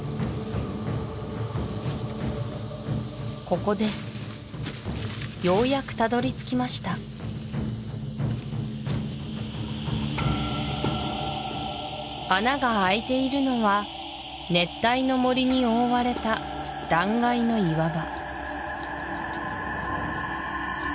ここですようやくたどり着きました穴が開いているのは熱帯の森に覆われた断崖の岩場